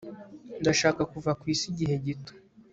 ndashaka kuva ku isi igihe gito